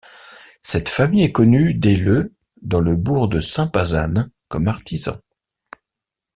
Cette famille est connue dès le dans le bourg de Sainte-Pazanne comme artisans.